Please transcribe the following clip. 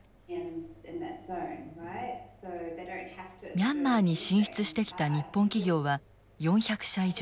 ミャンマーに進出してきた日本企業は４００社以上。